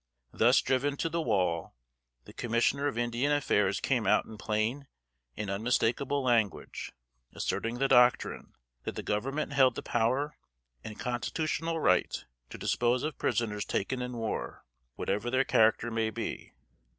Thus driven to the wall, the Commissioner of Indian Affairs came out in plain and unmistakable language, asserting the doctrine, that the Government held the power and constitutional right to dispose of prisoners taken in war, whatever their character may be.